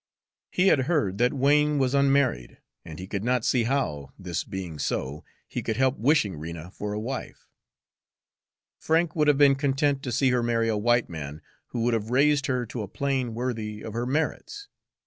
He had heard that Wain was unmarried, and he could not see how, this being so, he could help wishing Rena for a wife. Frank would have been content to see her marry a white man, who would have raised her to a plane worthy of her merits.